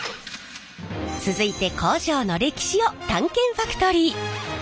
続いて工場の歴史を探検ファクトリー。